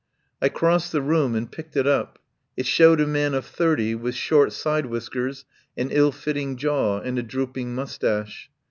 I crossed the room and picked it up. It showed a man of thirty, with short side whis kers and ill fitting jaw and a drooping mous tache.